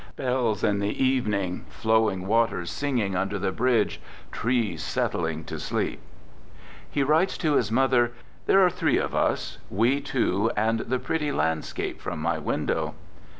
Bells in the evening; flowing waters singing under the bridges; trees settling to sleep." He writes to his mother: " There were three of us: we two and the pretty landscape from my window."